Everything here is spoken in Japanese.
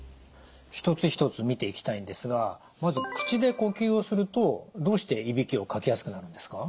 一つ一つ見ていきたいんですがまず口で呼吸をするとどうしていびきをかきやすくなるんですか？